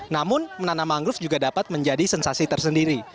namun menanam mangrove juga dapat menjadi sensasi tersendiri